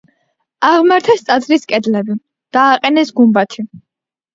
აღმართეს ტაძრის კედლები, დააყენეს გუმბათი.